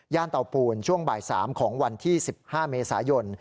เตาปูนช่วงบ่าย๓ของวันที่๑๕เมษายน